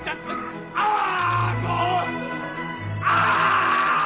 ああ！